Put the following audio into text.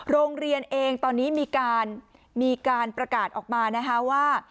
โรงเรียนเองตอนนี้มีการประกาศออกมานะคะว่า